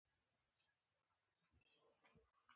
خو زده کړې لومړیتوب نه و